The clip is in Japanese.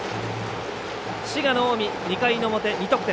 滋賀の近江、２回の表２得点。